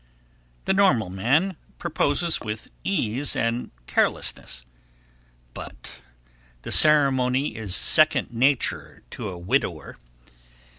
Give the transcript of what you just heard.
The normal man proposes with ease and carelessness, but the ceremony is second nature to a widower.